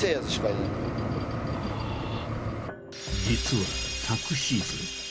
実は昨シーズン